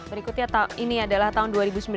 berikutnya ini adalah tahun dua ribu sembilan belas